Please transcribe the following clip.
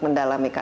ini atau bukan